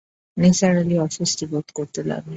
নিসার আলি অস্বস্তি বোধ করতে লাগলেন।